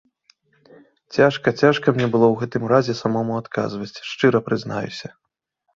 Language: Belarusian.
Цяжка, цяжка мне было ў гэтым разе самому адказваць, шчыра прызнаюся.